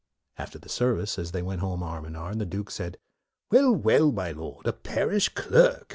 After the service, as they went home arm in arm, the Duke said, "Well, well! my Lord, a parish clerk!